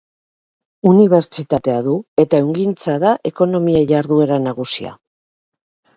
Unibertsitatea du, eta ehungintza da ekonomia jarduera nagusia.